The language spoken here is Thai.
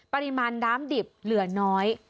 ปริมาณน้ำดิบเหลือน้อย